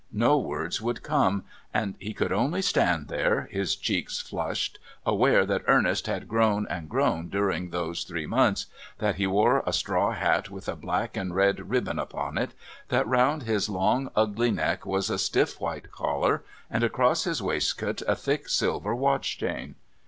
No words would come, and he could only stand there, his cheeks flushed, aware that Ernest had grown and grown during those three months, that he wore a straw hat with a black and red ribbon upon it, that round his long ugly neck was a stiff white collar, and across his waistcoat a thick silver watch chain.